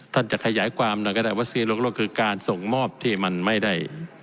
ท่านจะขยายความนะก็ได้ว่าสีลงโรคคือการส่งมอบที่มันไม่ได้